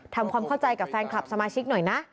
ทำความเข้าใจกับแฟนคลับสมาชิกหน่อยนะ